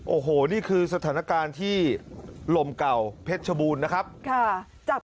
โอ้โหนี่คือสถานการณ์ที่ลมเก่าเพชรชบูรณ์นะครับค่ะ